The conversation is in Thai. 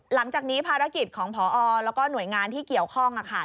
หลังจากนี้ภารกิจของพอแล้วก็หน่วยงานที่เกี่ยวข้อง